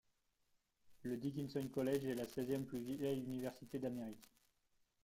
Le Dickinson College est la seizième plus vieille université d'Amérique.